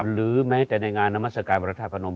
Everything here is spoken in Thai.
หรือไม่แต่ในงานน้ำมาสกาลพระท่านผนม